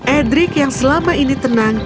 edric yang selama ini tenang